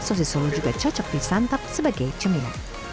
sosis solo juga cocok disantap sebagai cemil